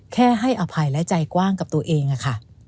แค่ให้อภัยและใจกว้างกับตัวเองอะค่ะ